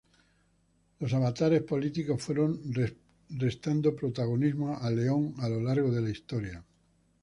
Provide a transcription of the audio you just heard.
Los avatares políticos fueron restando protagonismo a León a lo largo de la historia.